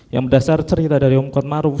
yang berdasar cerita dari om gautma aruf